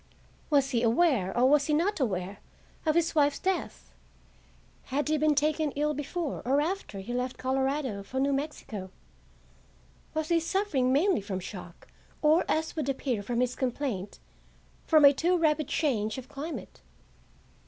Was he aware, or was he not aware, of his wife's death? Had he been taken ill before or after he left Colorado for New Mexico? Was he suffering mainly from shock, or, as would appear from his complaint, from a too rapid change of climate?